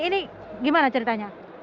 ini gimana ceritanya